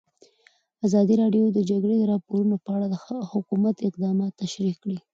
ازادي راډیو د د جګړې راپورونه په اړه د حکومت اقدامات تشریح کړي.